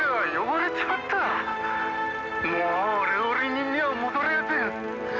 もう料理人には戻れやせん。